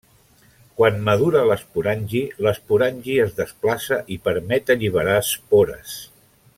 Quan madura l'esporangi, l'esporangi es desplaça i permet alliberar espores.